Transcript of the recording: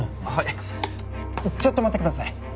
はいちょっと待ってください